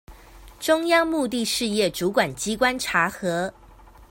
中央目的事業主管機關查核